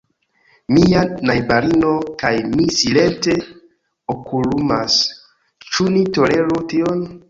Mia najbarino kaj mi silente okulumas: ĉu ni toleru tion?